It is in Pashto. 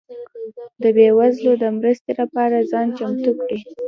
ده بيوزلو ده مرستي لپاره ځان چمتو کړئ